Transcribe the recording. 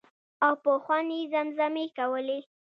او په خوند یې زمزمې کولې.